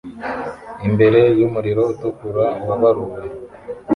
imbere yumuriro utukura wabaruwe